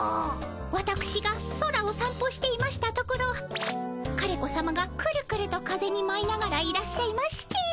わたくしが空をさん歩していましたところ枯れ子さまがくるくると風にまいながらいらっしゃいまして。